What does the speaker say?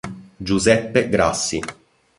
Giuseppe Grassi